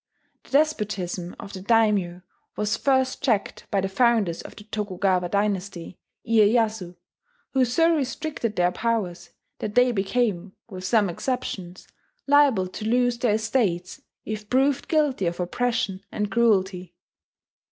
The despotism of the daimyo was first checked by the founders of the Tokugawa dynasty, Iyeyasu, who so restricted their powers that they became, with some exceptions, liable to lose their estates if proved guilty of oppression and cruelty.